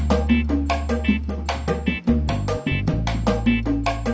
oke itu sudah yaa